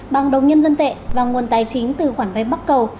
bằng đồng nhân dân tệ và nguồn tài chính từ khoản vay bắc cầu